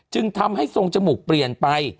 จึงทำให้ทรงจมูกเปลี่ยนไป